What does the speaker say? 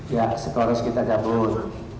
ya seharusnya kita cabut